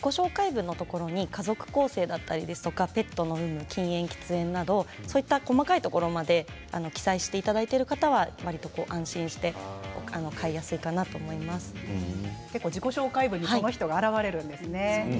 自己紹介文のところに家族構成だったりペットの有無、禁煙喫煙などそういった細かいところまで記載していただいてる方は安心して自己紹介文にその人があらわれるんですね。